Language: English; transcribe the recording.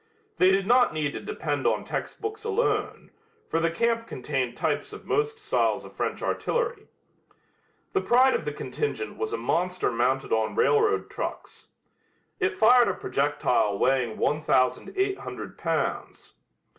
They did not need to depend on textbooks alone, for the camp contained types of most styles of French artillery. The pride of the contingent was a monster mounted on railroad trucks. It fired a projectile weighing 1800 pounds.